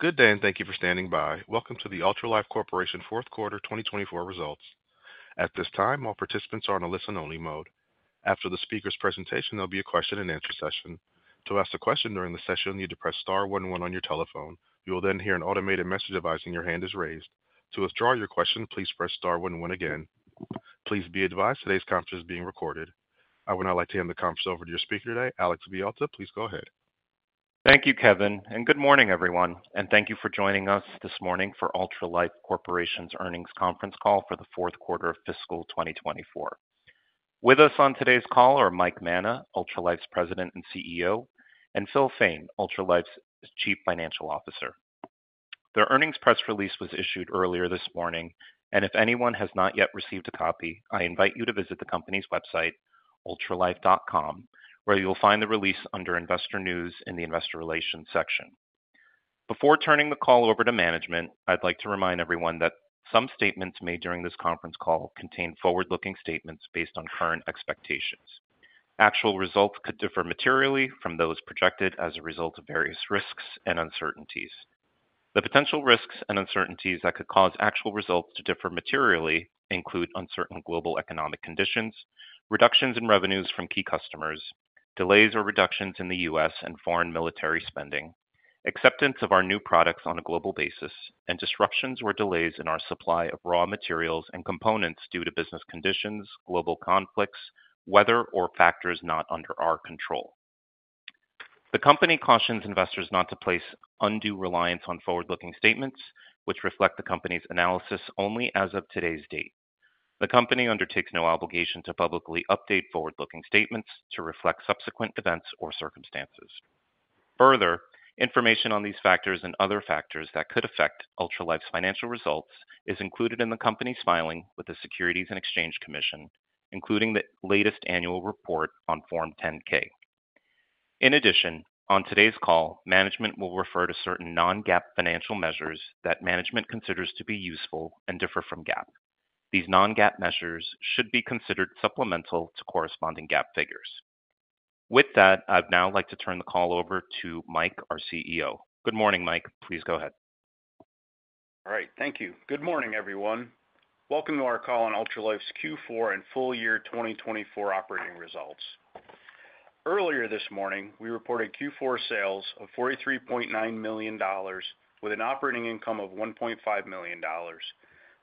Good day, and thank you for standing by. Welcome to the Ultralife Corporation Fourth Quarter 2024 results. At this time, all participants are in a listen-only mode. After the speaker's presentation, there'll be a question-and-answer session. To ask a question during the session, you need to press Star one one on your telephone. You will then hear an automated message advising your hand is raised. To withdraw your question, please press Star one one again. Please be advised today's conference is being recorded. I would now like to hand the conference over to your speaker today, Alex Villalta. Please go ahead. Thank you, Kevin, and good morning, everyone. Thank you for joining us this morning for Ultralife Corporation's earnings conference call for the fourth quarter of fiscal 2024. With us on today's call are Mike Manna, Ultralife's President and CEO, and Phil Fain, Ultralife's Chief Financial Officer. The earnings press release was issued earlier this morning, and if anyone has not yet received a copy, I invite you to visit the company's website, ultralife.com, where you'll find the release under Investor News in the Investor Relations section. Before turning the call over to management, I'd like to remind everyone that some statements made during this conference call contain forward-looking statements based on current expectations. Actual results could differ materially from those projected as a result of various risks and uncertainties. The potential risks and uncertainties that could cause actual results to differ materially include uncertain global economic conditions, reductions in revenues from key customers, delays or reductions in U.S. and foreign military spending, acceptance of our new products on a global basis, and disruptions or delays in our supply of raw materials and components due to business conditions, global conflicts, weather, or factors not under our control. The company cautions investors not to place undue reliance on forward-looking statements, which reflect the company's analysis only as of today's date. The company undertakes no obligation to publicly update forward-looking statements to reflect subsequent events or circumstances. Further, information on these factors and other factors that could affect Ultralife's financial results is included in the company's filing with the Securities and Exchange Commission, including the latest annual report on Form 10-K. In addition, on today's call, management will refer to certain non-GAAP financial measures that management considers to be useful and differ from GAAP. These non-GAAP measures should be considered supplemental to corresponding GAAP figures. With that, I'd now like to turn the call over to Mike, our CEO. Good morning, Mike. Please go ahead. All right. Thank you. Good morning, everyone. Welcome to our call on Ultralife's Q4 and full year 2024 operating results. Earlier this morning, we reported Q4 sales of $43.9 million with an operating income of $1.5 million,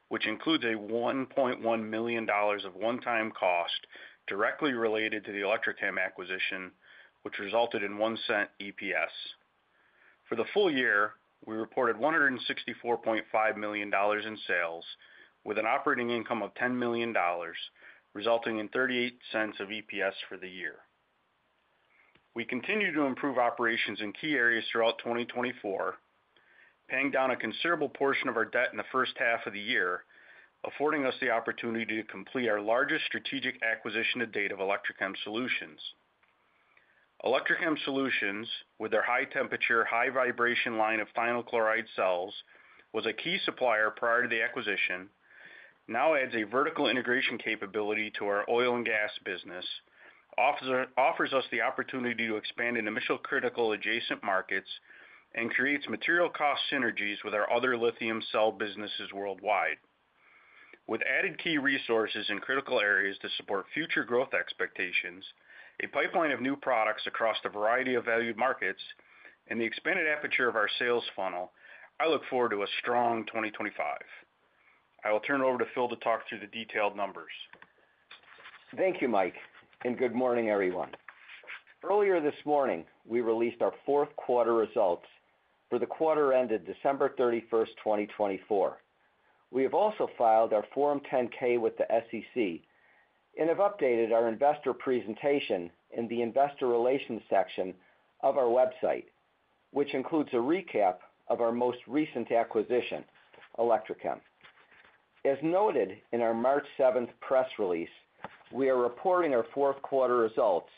which includes $1.1 million of one-time cost directly related to the Electrochem acquisition, which resulted in $0.01 EPS. For the full year, we reported $164.5 million in sales with an operating income of $10 million, resulting in $0.38 of EPS for the year. We continue to improve operations in key areas throughout 2024, paying down a considerable portion of our debt in the first half of the year, affording us the opportunity to complete our largest strategic acquisition to date of Electrochem Solutions. Electrochem Solutions, with their high-temperature, high-vibration line of lithium thionyl chloride cells, was a key supplier prior to the acquisition, now adds a vertical integration capability to our oil and gas business, offers us the opportunity to expand into mission-critical adjacent markets, and creates material cost synergies with our other lithium cell businesses worldwide. With added key resources in critical areas to support future growth expectations, a pipeline of new products across the variety of valued markets, and the expanded aperture of our sales funnel, I look forward to a strong 2025. I will turn it over to Phil to talk through the detailed numbers. Thank you, Mike, and good morning, everyone. Earlier this morning, we released our fourth quarter results for the quarter ended December 31, 2024. We have also filed our Form 10-K with the SEC and have updated our investor presentation in the Investor Relations section of our website, which includes a recap of our most recent acquisition, Electrochem. As noted in our March 7 press release, we are reporting our fourth quarter results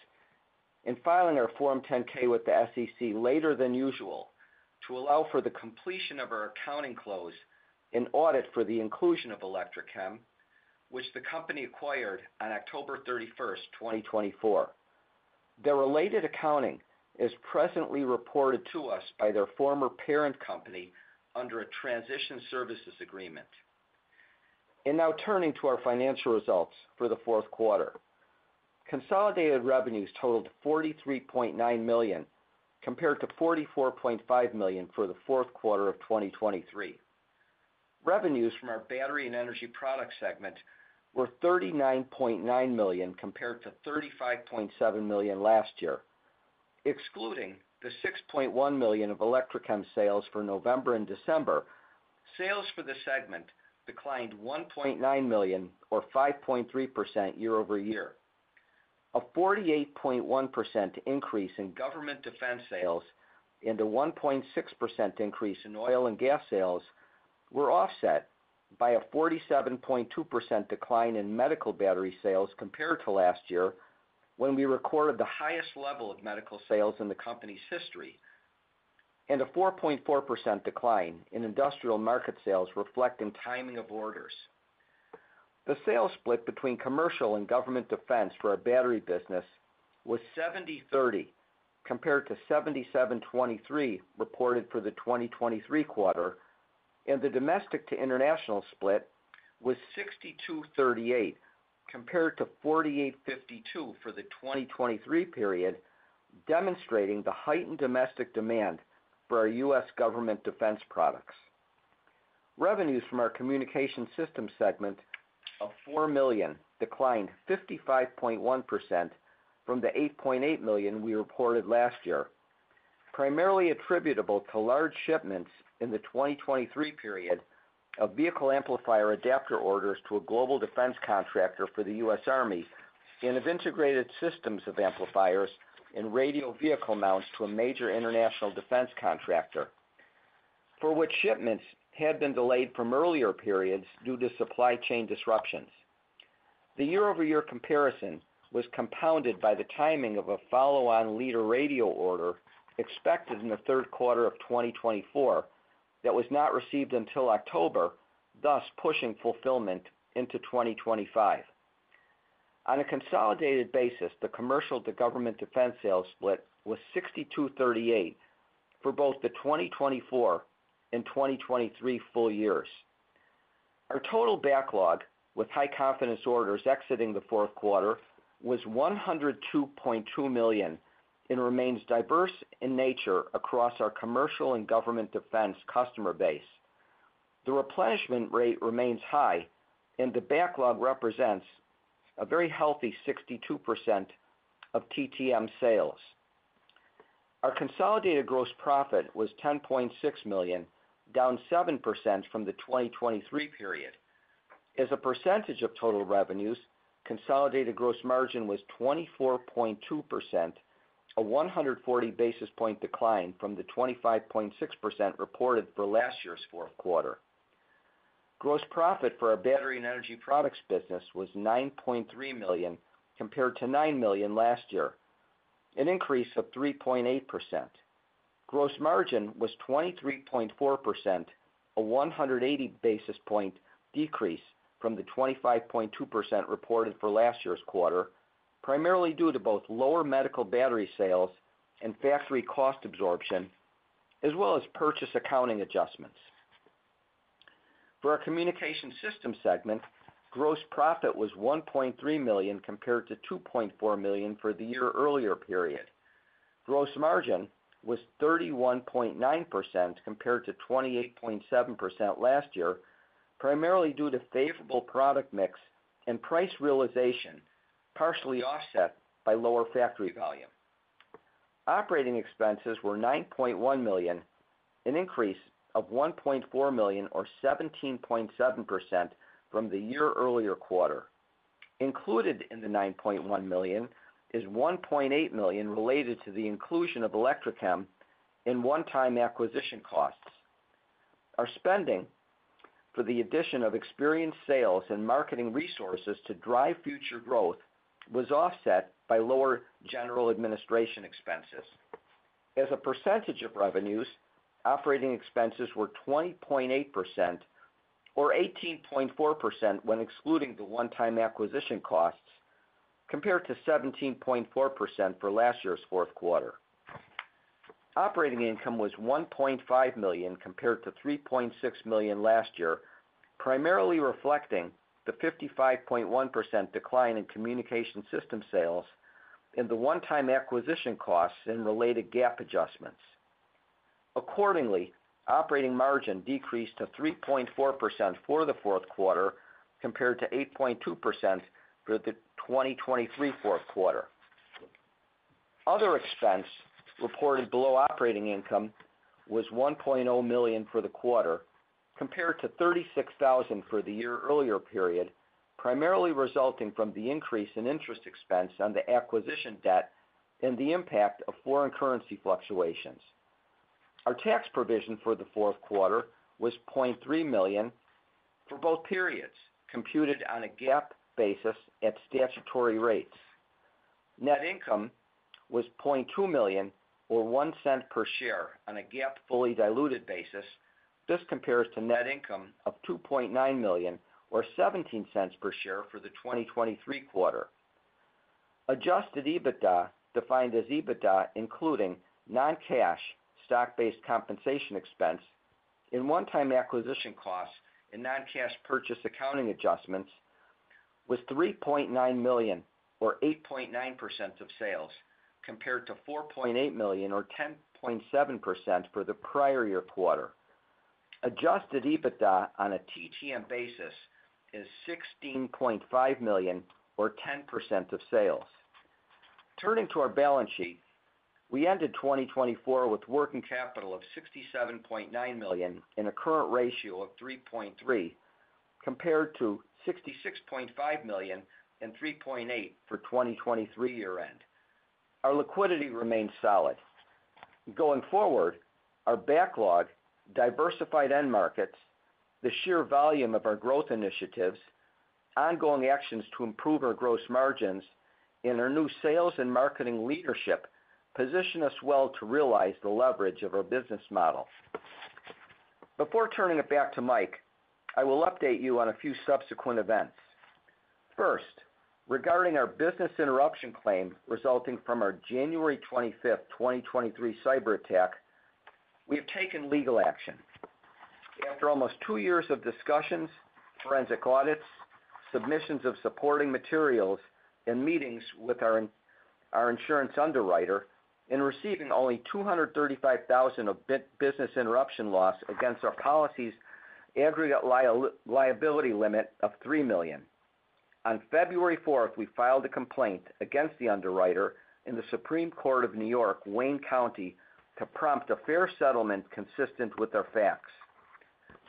and filing our Form 10-K with the SEC later than usual to allow for the completion of our accounting close and audit for the inclusion of Electrochem, which the company acquired on October 31, 2024. Their related accounting is presently reported to us by their former parent company under a transition services agreement. Turning to our financial results for the fourth quarter, consolidated revenues totaled $43.9 million compared to $44.5 million for the fourth quarter of 2023. Revenues from our battery and energy product segment were $39.9 million compared to $35.7 million last year. Excluding the $6.1 million of Electrochem sales for November and December, sales for the segment declined $1.9 million, or 5.3% year over year. A 48.1% increase in government defense sales and a 1.6% increase in oil and gas sales were offset by a 47.2% decline in medical battery sales compared to last year when we recorded the highest level of medical sales in the company's history, and a 4.4% decline in industrial market sales reflecting timing of orders. The sales split between commercial and government defense for our battery business was 70/30 compared to 77/23 reported for the 2023 quarter, and the domestic-to-international split was 62/38 compared to 48/52 for the 2023 period, demonstrating the heightened domestic demand for our U.S. government defense products. Revenues from our communication systems segment of $4 million declined 55.1% from the $8.8 million we reported last year, primarily attributable to large shipments in the 2023 period of vehicle amplifier adapter orders to a global defense contractor for the U.S. Army and of integrated systems of amplifiers and radio vehicle mounts to a major international defense contractor, for which shipments had been delayed from earlier periods due to supply chain disruptions. The year-over-year comparison was compounded by the timing of a follow-on Leader Radio order expected in the third quarter of 2024 that was not received until October, thus pushing fulfillment into 2025. On a consolidated basis, the commercial-to-government defense sales split was 62/38 for both the 2024 and 2023 full years. Our total backlog, with high confidence orders exiting the fourth quarter, was $102.2 million and remains diverse in nature across our commercial and government defense customer base. The replenishment rate remains high, and the backlog represents a very healthy 62% of TTM sales. Our consolidated gross profit was $10.6 million, down 7% from the 2023 period. As a percentage of total revenues, consolidated gross margin was 24.2%, a 140 basis point decline from the 25.6% reported for last year's fourth quarter. Gross profit for our battery and energy products business was $9.3 million compared to $9 million last year, an increase of 3.8%. Gross margin was 23.4%, a 180 basis point decrease from the 25.2% reported for last year's quarter, primarily due to both lower medical battery sales and factory cost absorption, as well as purchase accounting adjustments. For our communication systems segment, gross profit was $1.3 million compared to $2.4 million for the year earlier period. Gross margin was 31.9% compared to 28.7% last year, primarily due to favorable product mix and price realization partially offset by lower factory volume. Operating expenses were $9.1 million, an increase of $1.4 million, or 17.7% from the year earlier quarter. Included in the $9.1 million is $1.8 million related to the inclusion of Electrochem in one-time acquisition costs. Our spending for the addition of experienced sales and marketing resources to drive future growth was offset by lower general administration expenses. As a percentage of revenues, operating expenses were 20.8%, or 18.4% when excluding the one-time acquisition costs, compared to 17.4% for last year's fourth quarter. Operating income was $1.5 million compared to $3.6 million last year, primarily reflecting the 55.1% decline in communication systems sales and the one-time acquisition costs and related GAAP adjustments. Accordingly, operating margin decreased to 3.4% for the fourth quarter compared to 8.2% for the 2023 fourth quarter. Other expense reported below operating income was $1.0 million for the quarter, compared to $36,000 for the year earlier period, primarily resulting from the increase in interest expense on the acquisition debt and the impact of foreign currency fluctuations. Our tax provision for the fourth quarter was $0.3 million for both periods, computed on a GAAP basis at statutory rates. Net income was $0.2 million, or $0.01 per share, on a GAAP fully diluted basis. This compares to net income of $2.9 million, or $0.17 per share for the 2023 quarter. Adjusted EBITDA, defined as EBITDA including non-cash stock-based compensation expense and one-time acquisition costs and non-cash purchase accounting adjustments, was $3.9 million, or 8.9% of sales, compared to $4.8 million, or 10.7% for the prior year quarter. Adjusted EBITDA on a TTM basis is $16.5 million, or 10% of sales. Turning to our balance sheet, we ended 2024 with working capital of $67.9 million and a current ratio of 3.3, compared to $66.5 million and 3.8 for 2023 year-end. Our liquidity remained solid. Going forward, our backlog, diversified end markets, the sheer volume of our growth initiatives, ongoing actions to improve our gross margins, and our new sales and marketing leadership position us well to realize the leverage of our business model. Before turning it back to Mike, I will update you on a few subsequent events. First, regarding our business interruption claim resulting from our January 25th, 2023 cyber attack, we have taken legal action. After almost two years of discussions, forensic audits, submissions of supporting materials, and meetings with our insurance underwriter, and receiving only $235,000 of business interruption loss against our policy's aggregate liability limit of $3 million. On February 4th, we filed a complaint against the underwriter in the Supreme Court of New York, Wayne County, to prompt a fair settlement consistent with our facts.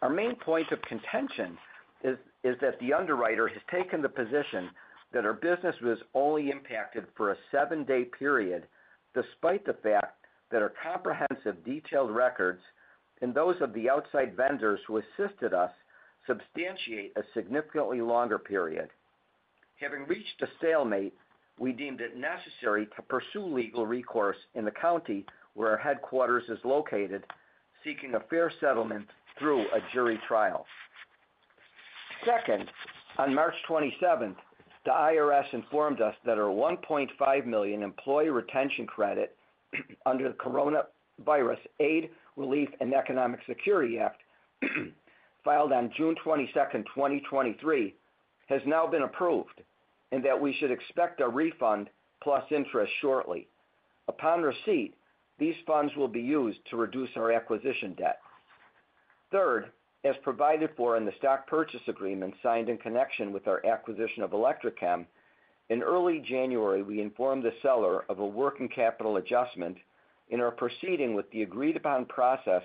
Our main point of contention is that the underwriter has taken the position that our business was only impacted for a seven-day period, despite the fact that our comprehensive detailed records and those of the outside vendors who assisted us substantiate a significantly longer period. Having reached a stalemate, we deemed it necessary to pursue legal recourse in the county where our headquarters is located, seeking a fair settlement through a jury trial. Second, on March 27th, the IRS informed us that our $1.5 million employee retention credit under the Coronavirus Aid, Relief, and Economic Security Act, filed on June 22nd, 2023, has now been approved and that we should expect a refund plus interest shortly. Upon receipt, these funds will be used to reduce our acquisition debt. Third, as provided for in the stock purchase agreement signed in connection with our acquisition of Electrochem, in early January, we informed the seller of a working capital adjustment and are proceeding with the agreed-upon process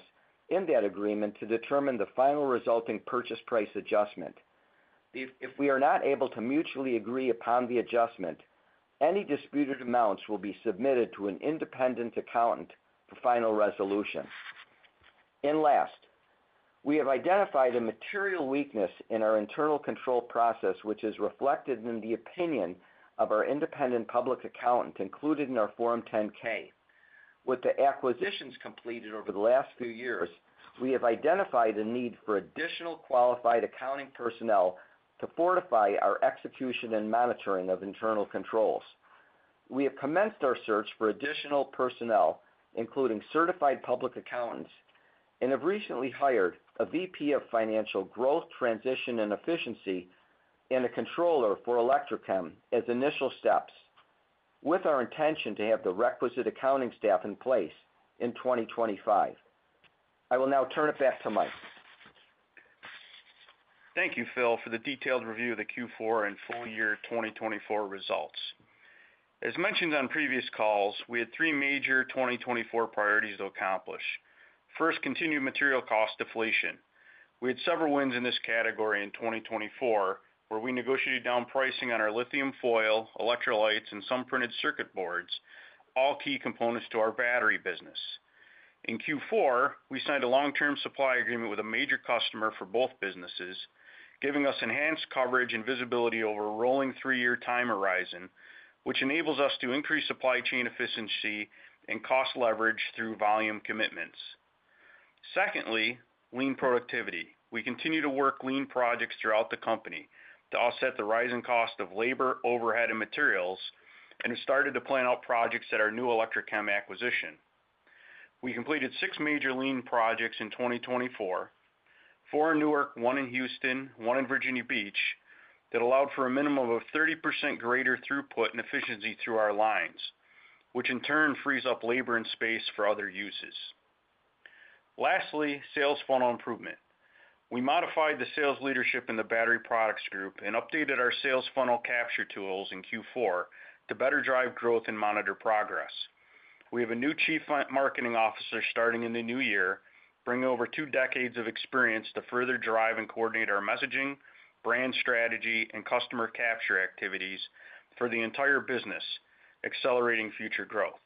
in that agreement to determine the final resulting purchase price adjustment. If we are not able to mutually agree upon the adjustment, any disputed amounts will be submitted to an independent accountant for final resolution. Last, we have identified a material weakness in our internal control process, which is reflected in the opinion of our independent public accountant included in our Form 10-K. With the acquisitions completed over the last few years, we have identified a need for additional qualified accounting personnel to fortify our execution and monitoring of internal controls. We have commenced our search for additional personnel, including certified public accountants, and have recently hired a VP of Financial Growth, Transition, and Efficiency and a controller for Electrochem as initial steps, with our intention to have the requisite accounting staff in place in 2025. I will now turn it back to Mike. Thank you, Phil, for the detailed review of the Q4 and full year 2024 results. As mentioned on previous calls, we had three major 2024 priorities to accomplish. First, continued material cost deflation. We had several wins in this category in 2024 where we negotiated down pricing on our lithium foil, electrolytes, and some printed circuit boards, all key components to our battery business. In Q4, we signed a long-term supply agreement with a major customer for both businesses, giving us enhanced coverage and visibility over a rolling three-year time horizon, which enables us to increase supply chain efficiency and cost leverage through volume commitments. Secondly, lean productivity. We continue to work lean projects throughout the company to offset the rising cost of labor, overhead, and materials, and have started to plan out projects at our new Electrochem acquisition. We completed six major lean projects in 2024, four in Newark, one in Houston, one in Virginia Beach, that allowed for a minimum of 30% greater throughput and efficiency through our lines, which in turn frees up labor and space for other uses. Lastly, sales funnel improvement. We modified the sales leadership in the battery products group and updated our sales funnel capture tools in Q4 to better drive growth and monitor progress. We have a new Chief Marketing Officer starting in the new year, bringing over two decades of experience to further drive and coordinate our messaging, brand strategy, and customer capture activities for the entire business, accelerating future growth.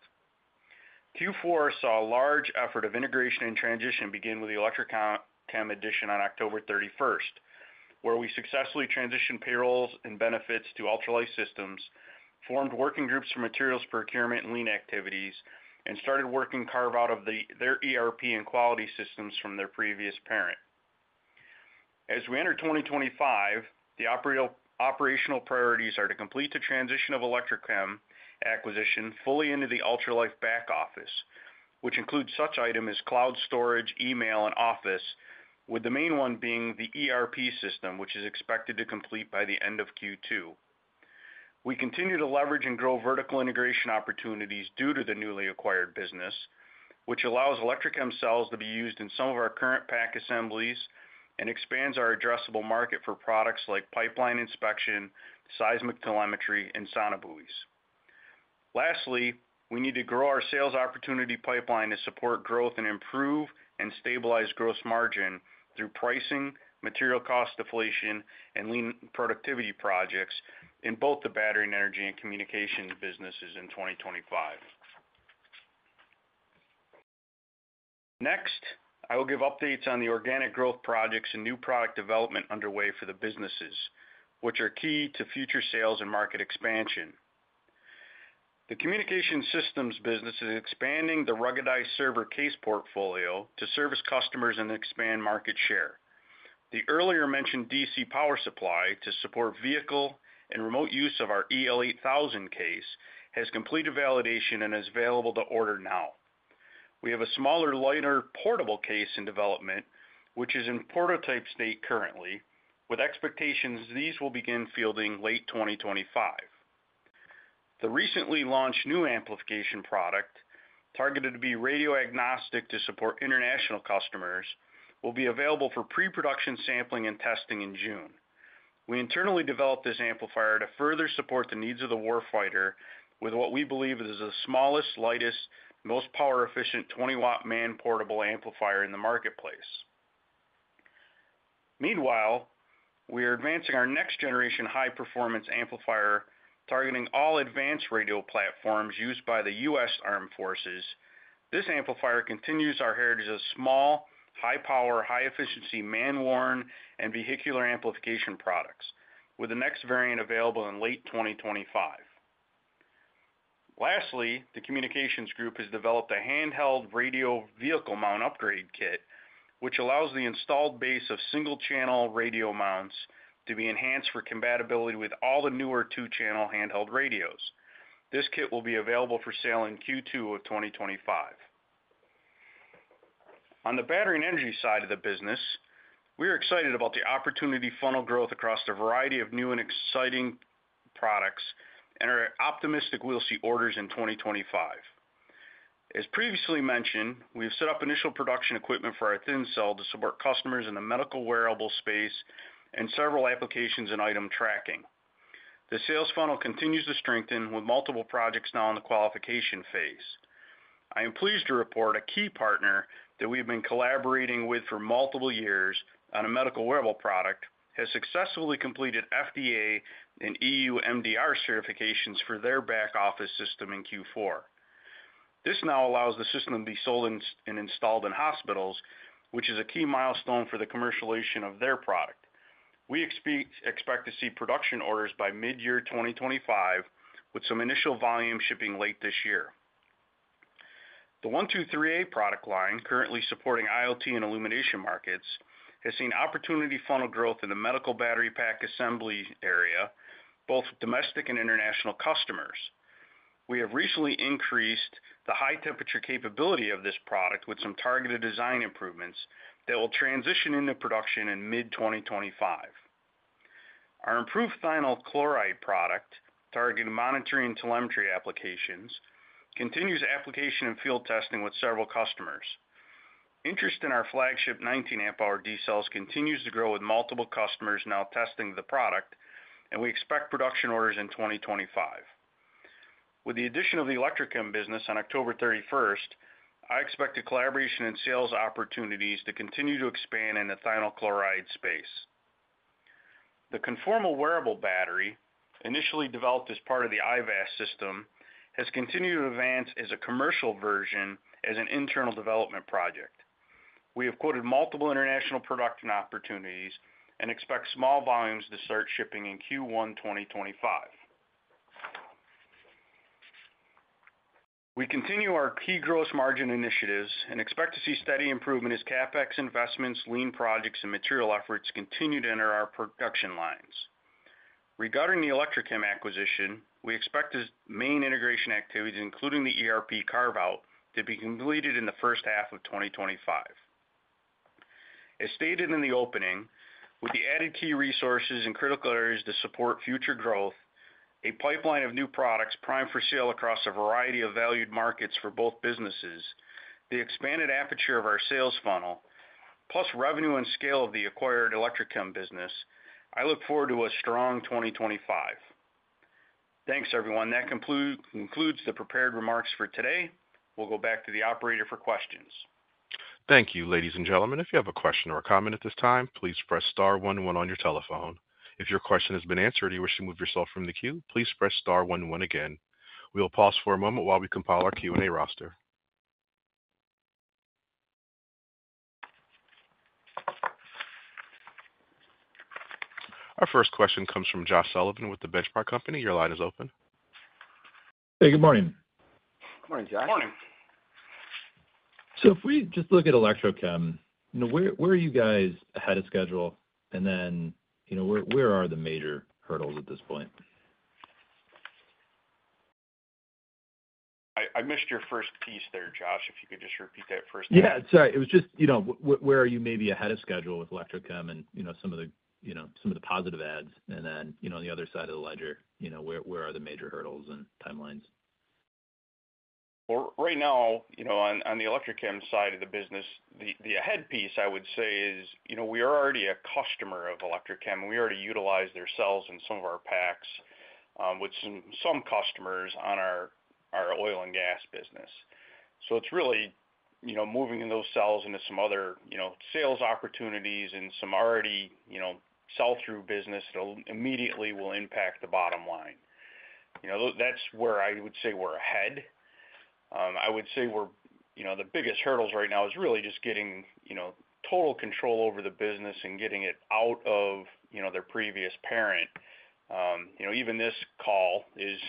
Q4 saw a large effort of integration and transition begin with the Electrochem addition on October 31, where we successfully transitioned payrolls and benefits to Ultralife systems, formed working groups for materials procurement and lean activities, and started working carve-out of their ERP and quality systems from their previous parent. As we enter 2025, the operational priorities are to complete the transition of the Electrochem acquisition fully into the Ultralife back office, which includes such items as cloud storage, email, and office, with the main one being the ERP system, which is expected to complete by the end of Q2. We continue to leverage and grow vertical integration opportunities due to the newly acquired business, which allows Electrochem cells to be used in some of our current pack assemblies and expands our addressable market for products like pipeline inspection, seismic telemetry, and sonobuoys. Lastly, we need to grow our sales opportunity pipeline to support growth and improve and stabilize gross margin through pricing, material cost deflation, and lean productivity projects in both the battery and energy and communication businesses in 2025. Next, I will give updates on the organic growth projects and new product development underway for the businesses, which are key to future sales and market expansion. The communication systems business is expanding the ruggedized server case portfolio to service customers and expand market share. The earlier mentioned DC power supply to support vehicle and remote use of our EL8000 case has completed validation and is available to order now. We have a smaller, lighter portable case in development, which is in prototype state currently, with expectations these will begin fielding late 2025. The recently launched new amplification product, targeted to be radio-agnostic to support international customers, will be available for pre-production sampling and testing in June. We internally developed this amplifier to further support the needs of the warfighter with what we believe is the smallest, lightest, most power-efficient 20-watt man-portable amplifier in the marketplace. Meanwhile, we are advancing our next-generation high-performance amplifier targeting all advanced radio platforms used by the U.S. Armed Forces. This amplifier continues our heritage of small, high-power, high-efficiency man-worn and vehicular amplification products, with the next variant available in late 2025. Lastly, the communications group has developed a handheld radio vehicle mount upgrade kit, which allows the installed base of single-channel radio mounts to be enhanced for compatibility with all the newer two-channel handheld radios. This kit will be available for sale in Q2 of 2025. On the battery and energy side of the business, we are excited about the opportunity funnel growth across the variety of new and exciting products and are optimistic we'll see orders in 2025. As previously mentioned, we have set up initial production equipment for our thin cell to support customers in the medical wearable space and several applications and item tracking. The sales funnel continues to strengthen with multiple projects now in the qualification phase. I am pleased to report a key partner that we have been collaborating with for multiple years on a medical wearable product has successfully completed FDA and EU MDR certifications for their back office system in Q4. This now allows the system to be sold and installed in hospitals, which is a key milestone for the commercialization of their product. We expect to see production orders by mid-year 2025, with some initial volume shipping late this year. The 123A product line, currently supporting IoT and illumination markets, has seen opportunity funnel growth in the medical battery pack assembly area, both domestic and international customers. We have recently increased the high-temperature capability of this product with some targeted design improvements that will transition into production in mid-2025. Our improved thinyl chloride product, targeted monitoring telemetry applications, continues application and field testing with several customers. Interest in our flagship 19 amp-hour D cells continues to grow with multiple customers now testing the product, and we expect production orders in 2025. With the addition of the Electrochem business on October 31, I expect collaboration and sales opportunities to continue to expand in the thinyl chloride space. The conformal wearable battery, initially developed as part of the IVAS system, has continued to advance as a commercial version as an internal development project. We have quoted multiple international production opportunities and expect small volumes to start shipping in Q1 2025. We continue our key gross margin initiatives and expect to see steady improvement as CapEx investments, lean projects, and material efforts continue to enter our production lines. Regarding the Electrochem acquisition, we expect its main integration activities, including the ERP carve-out, to be completed in the first half of 2025. As stated in the opening, with the added key resources and critical areas to support future growth, a pipeline of new products primed for sale across a variety of valued markets for both businesses, the expanded aperture of our sales funnel, plus revenue and scale of the acquired Electrochem business, I look forward to a strong 2025. Thanks, everyone. That concludes the prepared remarks for today. We'll go back to the operator for questions. Thank you, ladies and gentlemen. If you have a question or a comment at this time, please press Star one one on your telephone. If your question has been answered or you wish to move yourself from the queue, please press Star one one again. We will pause for a moment while we compile our Q&A roster. Our first question comes from Josh Sullivan with the Benchmark Company. Your line is open. Hey, good morning. Good morning, Josh. Good morning. If we just look at Electrochem, where are you guys ahead of schedule, and then where are the major hurdles at this point? I missed your first piece there, Josh. If you could just repeat that first part. Yeah, sorry. It was just where are you maybe ahead of schedule with Electrochem and some of the positive ads, and then on the other side of the ledger, where are the major hurdles and timelines? Right now, on the Electrochem side of the business, the ahead piece, I would say, is we are already a customer of Electrochem. We already utilize their cells in some of our packs with some customers on our oil and gas business. It is really moving those cells into some other sales opportunities and some already sell-through business that immediately will impact the bottom line. That's where I would say we're ahead. I would say the biggest hurdles right now is really just getting total control over the business and getting it out of their previous parent. Even this call is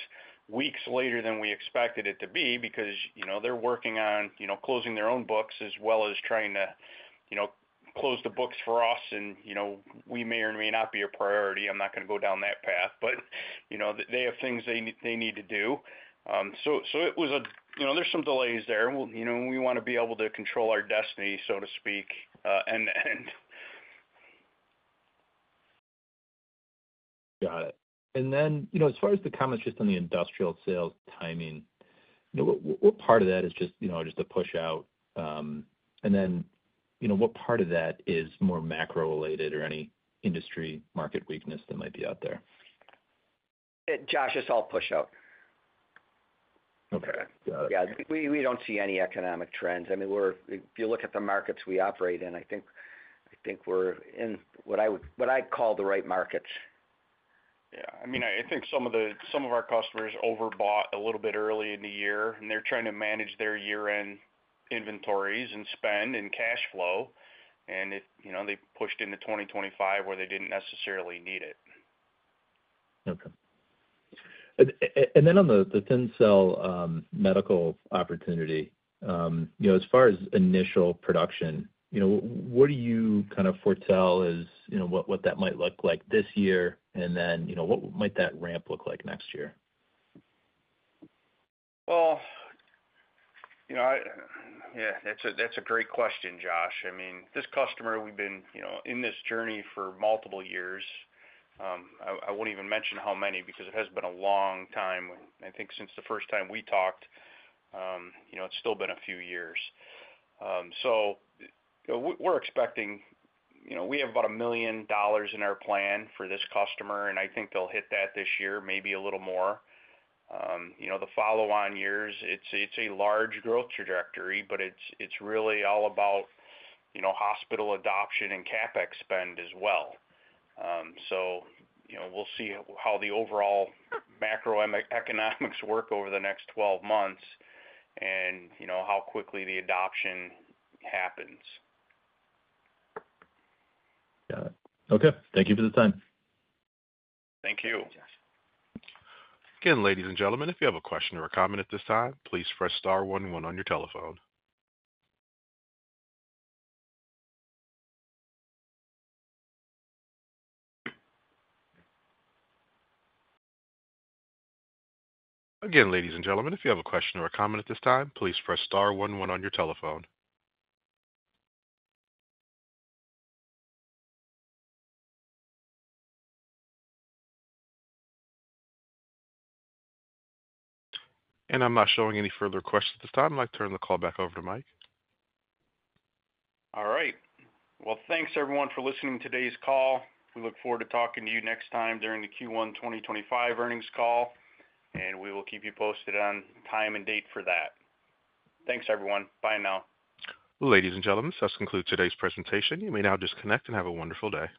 weeks later than we expected it to be because they're working on closing their own books as well as trying to close the books for us, and we may or may not be a priority. I'm not going to go down that path, but they have things they need to do. There are some delays there. We want to be able to control our destiny, so to speak. Got it. As far as the comments just on the industrial sales timing, what part of that is just a push-out, and then what part of that is more macro-related or any industry market weakness that might be out there? Josh, it's all push-out. Okay. Got it. Yeah. We don't see any economic trends. I mean, if you look at the markets we operate in, I think we're in what I call the right markets. Yeah. I mean, I think some of our customers overbought a little bit early in the year, and they're trying to manage their year-end inventories and spend and cash flow, and they pushed into 2025 where they didn't necessarily need it. Okay. On the thin cell medical opportunity, as far as initial production, what do you kind of foretell as what that might look like this year, and what might that ramp look like next year? Yeah, that's a great question, Josh. I mean, this customer, we've been in this journey for multiple years. I won't even mention how many because it has been a long time. I think since the first time we talked, it's still been a few years. We're expecting we have about $1 million in our plan for this customer, and I think they'll hit that this year, maybe a little more. The follow-on years, it's a large growth trajectory, but it's really all about hospital adoption and CapEx spend as well. We'll see how the overall macro-economics work over the next 12 months and how quickly the adoption happens. Got it. Okay. Thank you for the time. Thank you. Again, ladies and gentlemen, if you have a question or a comment at this time, please press Star one one on your telephone. Again, ladies and gentlemen, if you have a question or a comment at this time, please press Star one one on your telephone. I'm not showing any further questions at this time. I'd like to turn the call back over to Mike. All right. Thanks, everyone, for listening to today's call. We look forward to talking to you next time during the Q1 2025 earnings call, and we will keep you posted on time and date for that. Thanks, everyone. Bye now. Ladies and gentlemen, this does conclude today's presentation. You may now disconnect and have a wonderful day.